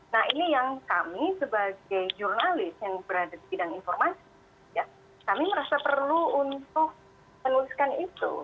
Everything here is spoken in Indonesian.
nah ini yang kami sebagai jurnalis yang berada di bidang informasi kami merasa perlu untuk menuliskan itu